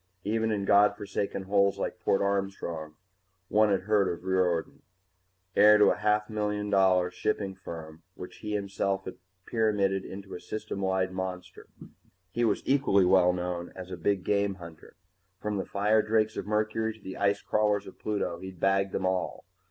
Even in God forsaken holes like Port Armstrong one had heard of Riordan. Heir to a million dollar shipping firm which he himself had pyramided into a System wide monster, he was equally well known as a big game hunter. From the firedrakes of Mercury to the ice crawlers of Pluto, he'd bagged them all.